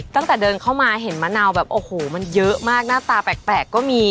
ตั้งแต่เดินเข้ามาเห็นมะนาวแบบโอ้โหมันเยอะมากหน้าตาแปลกก็มี